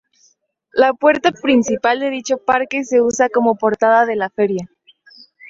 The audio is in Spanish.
La puerta principal de dicho parque se usa como portada de la Feria.